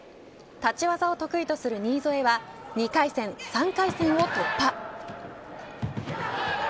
立ち技を得意とする新添は２回戦３回戦を突破。